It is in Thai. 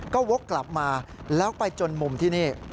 ก็วกกลับมาแล้วไปจนมุมที่นี่